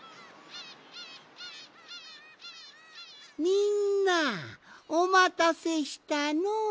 みんなおまたせしたのう。